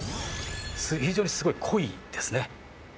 非常にすごい濃いですね。